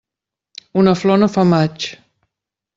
Una flor no fa maig.